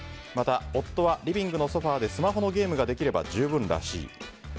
また、夫はリビングのソファーでスマホのゲームができれば十分らしい。